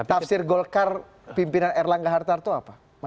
tafsir golkar pimpinan erlangga hartar itu apa